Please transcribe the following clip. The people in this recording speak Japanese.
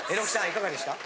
いかがでした？